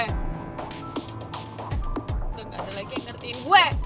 tuh gak ada lagi yang ngertiin gue